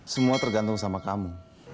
semua tergantung sama kamu